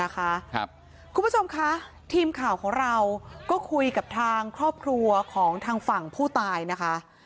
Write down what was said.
คุณผู้ชมคะทีมข่าวของเราก็คุยกับทางครอบครัวของทางฝั่งผู้ตายนะคะ